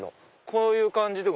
こういう感じ